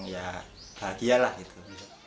ya bahagia lah gitu